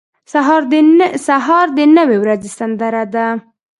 سهار د نوې ورځې سندره ده.